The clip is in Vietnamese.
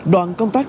đoàn công tác